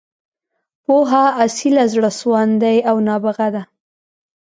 پوهه، اصیله، زړه سواندې او نابغه ده.